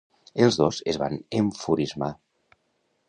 Els dos es van enfurismar.